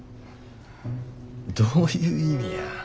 どういう意味や。